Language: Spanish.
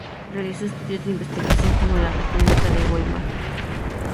Realizó estudios de investigación como: La República de Weimar.